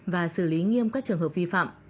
và xử lý nghiêm các trường hợp vi phạm